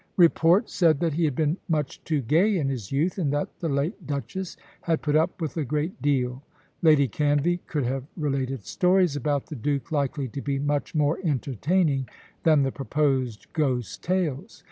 Report said that he had been much too gay in his youth, and that the late Duchess had put up with a great deal. Lady Canvey could have related stories about the Duke likely to be much more entertaining than the proposed ghost tales.